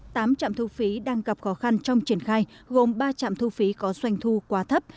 tám trạm thu phí đang gặp khó khăn trong triển khai gồm ba trạm thu phí có xoanh thu quá thấp